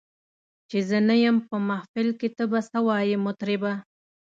چي زه نه یم په محفل کي ته به څه وایې مطربه